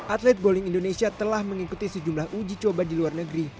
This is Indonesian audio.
atlet bowling indonesia telah mengikuti sejumlah uji coba di luar negeri